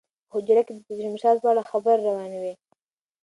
په حجره کې د شمشاد په اړه خبرې روانې وې.